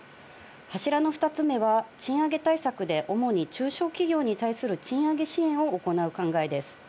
柱の２つ目は賃上げ対策で主に中小企業に対する賃上げ支援を行う考えです。